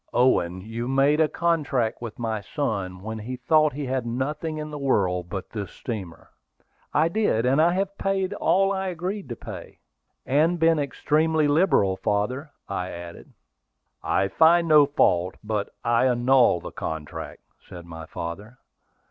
Owen, you made a contract with my son when he thought he had nothing in the world but this steamer." "I did; and I have paid all I agreed to pay." "And been extremely liberal, father," I added. "I find no fault; but I annul the contract," said my father.